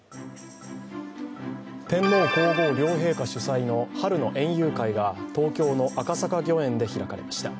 天皇皇后両陛下主催の春の園遊会が東京の赤坂御苑で開かれました。